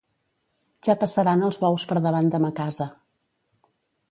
Ja passaran els bous per davant de ma casa.